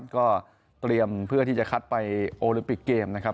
ก็เตรียมเพื่อที่จะคัดไปโอลิมปิกเกมนะครับ